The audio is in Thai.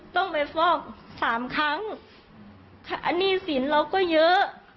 ต้องไปฟอกสามครั้งหนี้สินเราก็เยอะ